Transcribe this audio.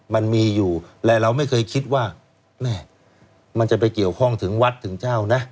มันมีอยู่และเราไม่เคยคิดว่าแม่มันจะไปเกี่ยวข้องถึงวัดถึงเจ้านะ